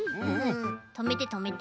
とめてとめて。